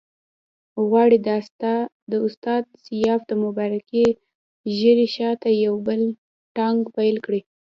غواړي د استاد سیاف د مبارکې ږیرې شاته یو بل ناټک پیل کړي.